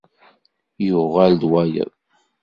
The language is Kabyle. Yuɣal d wayeḍ.